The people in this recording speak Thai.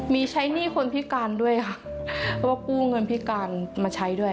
มีใช้หนี้คนพิการด้วยค่ะเพราะว่ากู้เงินพิการมาใช้ด้วย